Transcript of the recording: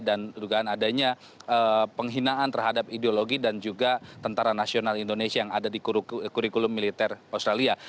dan juga adanya penghinaan terhadap ideologi dan juga tentara nasional indonesia yang ada di kurikulum militer australia